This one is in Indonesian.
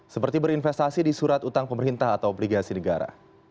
seperti berinvestasi di surat utang pemerintah atau obligasi negara